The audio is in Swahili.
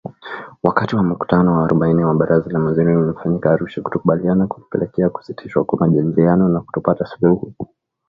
Wakati wa mkutano wa arobaini wa Baraza la Mawaziri uliofanyika Arusha, kutokukubaliana kulipelekea kusitishwa kwa majadiliano na kutopata suluhu.